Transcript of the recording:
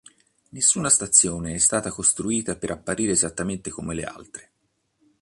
Nessuna stazione è stata costruita per apparire esattamente come le altre.